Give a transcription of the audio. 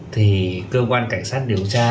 thì cơ quan cảnh sát điều tra